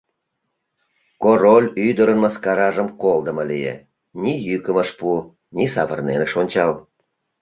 Король ӱдырын мыскаражым колдымо лие: ни йӱкым ыш пу, ни савырнен ыш ончал.